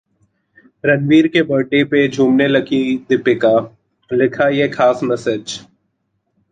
रणवीर के बर्थडे पर झूमने लगीं दीपिका, लिखा ये खास मैसेज